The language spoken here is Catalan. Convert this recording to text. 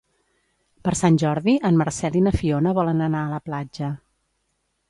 Per Sant Jordi en Marcel i na Fiona volen anar a la platja.